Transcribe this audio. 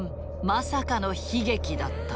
まさかの悲劇だった。